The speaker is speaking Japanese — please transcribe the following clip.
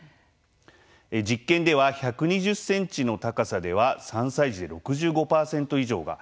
実験では１２０ｃｍの高さでは３歳児で６５％以上が。